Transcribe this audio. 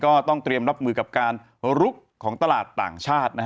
ก็ต้องเตรียมรับมือกับการลุกของตลาดต่างชาตินะฮะ